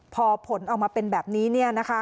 พอผลออกมาเป็นแบบนี้